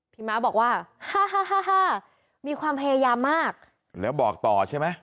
พี่ม้าบอกว่าฮ่าฮ่าฮ่าฮ่ามีความพยายามมากแล้วบอกต่อใช่ไหม